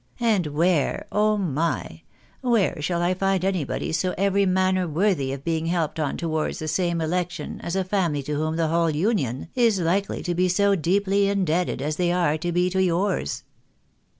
And where — oh my !— where shall I find anybody so every manner worthy of being helped on towards the same election as a family to whom the whole Union is likely to be so deeply in debted as they are to be to yours